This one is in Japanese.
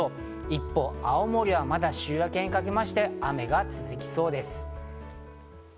一方、青森はまだ週明けにかけまして、雨が続きそうです。